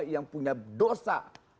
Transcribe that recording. yang punya dosa